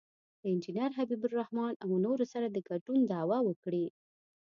د انجینر حبیب الرحمن او نورو سره د ګډون دعوه وکړي.